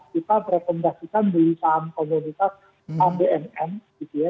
kita rekomendasikan beli saham komunitas abnm gitu ya